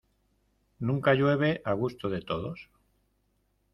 Nunca llueve a gusto de todos.